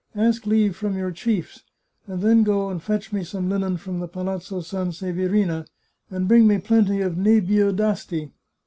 Ask leave from your chiefs, and then go fetch me some linen from the Palazzo Sanseverina, and bring me plenty of nebieu d'Asti."